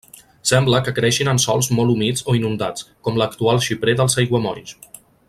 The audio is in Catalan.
Sembla que creixien en sòls molt humits o inundats, com l'actual xiprer dels aiguamolls.